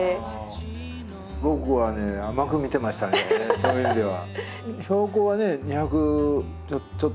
そういう意味では。